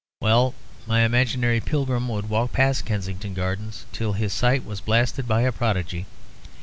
Well, my imaginary pilgrim would walk past Kensington Gardens till his sight was blasted by a prodigy.